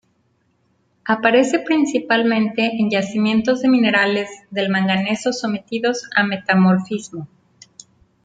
Aparece principalmente en yacimientos de minerales del manganeso sometidos a metamorfismo.